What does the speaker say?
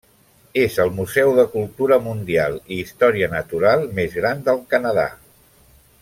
És el museu de cultura mundial i història natural més gran del Canadà.